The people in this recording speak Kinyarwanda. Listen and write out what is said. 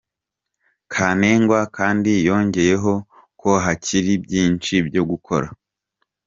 Kantengwa kandi yongeyeho ko hakiri byinshi byo gukora.